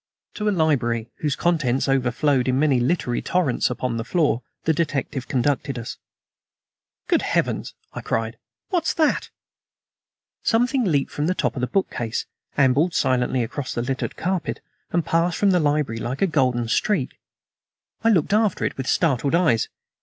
To a library, whose contents overflowed in many literary torrents upon the floor, the detective conducted us. "Good heavens!" I cried, "what's that?" Something leaped from the top of the bookcase, ambled silently across the littered carpet, and passed from the library like a golden streak. I stood looking after it with startled eyes.